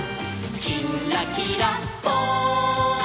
「きんらきらぽん」